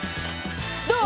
どう？